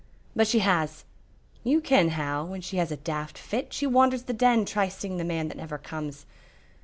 "But she has. You ken how, when she has a daft fit, she wanders the Den trysting the man that never comes.